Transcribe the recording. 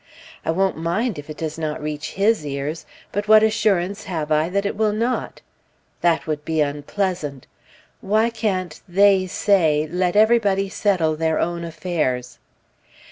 I won't mind it if it does not reach his ears; but what assurance have I that it will not? That would be unpleasant! Why can't "they say" let everybody settle their own affairs?